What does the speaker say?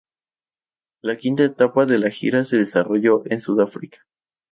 La quinta etapa de la gira se desarrolló en Sudáfrica.